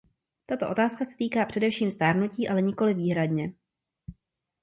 Tato otázka se týká především stárnutí, ale nikoli výhradně.